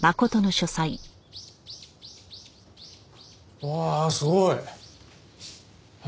うわあすごい！へえ。